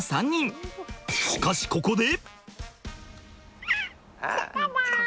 しかしここで。